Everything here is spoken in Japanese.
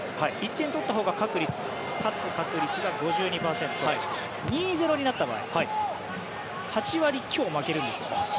１点取ったほうが勝つ確率が５２％２−０になった場合８割強負けるんです。